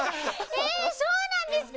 えそうなんですか？